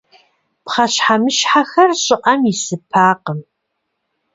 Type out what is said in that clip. Пхъэщхьэмыщхьэхэр щӏыӏэм исыпакъым.